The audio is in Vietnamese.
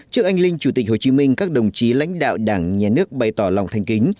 trước anh linh chủ tịch hồ chí minh các đồng chí lãnh đạo đảng nhà nước bày tỏ lòng thanh kính